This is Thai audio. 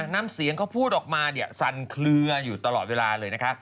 น้ำเสียงเขาพูดออกมาเนี่ยสั่นเคลืออยู่ตลอดเวลาเลยนะคะ